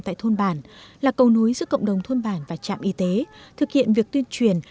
tại thôn bản là cầu nối giữa cộng đồng thôn bản và trạm y tế thực hiện việc tuyên truyền